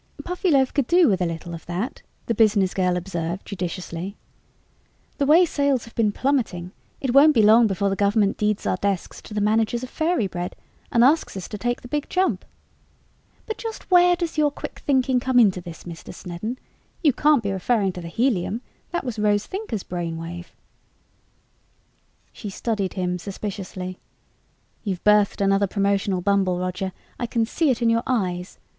"Puffyloaf could do with a little of that," the business girl observed judiciously. "The way sales have been plummeting, it won't be long before the Government deeds our desks to the managers of Fairy Bread and asks us to take the Big Jump. But just where does your quick thinking come into this, Mr. Snedden? You can't be referring to the helium that was Rose Thinker's brainwave." She studied him suspiciously. "You've birthed another promotional bumble, Roger. I can see it in your eyes.